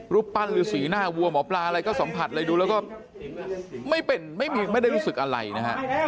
ปั้นหรือสีหน้าวัวหมอปลาอะไรก็สัมผัสอะไรดูแล้วก็ไม่เป็นไม่ได้รู้สึกอะไรนะฮะ